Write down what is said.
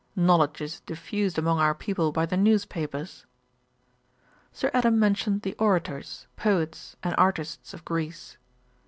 Knowledge is diffused among our people by the news papers.' Sir Adam mentioned the orators, poets, and artists of Greece.